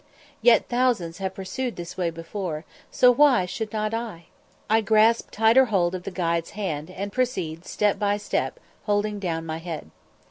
Yet thousands have pursued this way before, so why should not I? I grasp tighter hold of the guide's hand, and proceed step by step holding down my head.